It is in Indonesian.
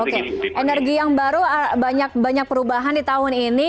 oke energi yang baru banyak banyak perubahan di tahun ini